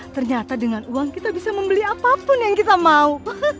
ternyata dengan uang kita bisa membeli apapun yang kita mau